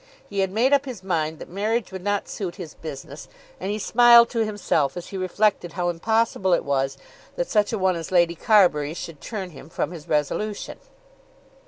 He had made up his mind that marriage would not suit his business, and he smiled to himself as he reflected how impossible it was that such a one as Lady Carbury should turn him from his resolution.